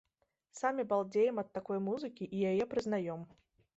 Самі балдзеем ад такой музыкі і яе прызнаём.